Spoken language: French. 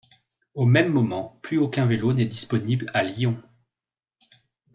Au même moment, plus aucun vélo n'est disponible à Lyon.